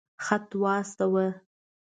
خط واستاوه.